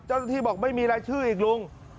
เจ้าหน้าที่บอกไม่มีรายชื่ออีกลุง